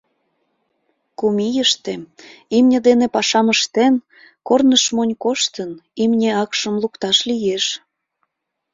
Кум ийыште, имне дене пашам ыштен, корныш монь коштын, имне акшым лукташ лиеш.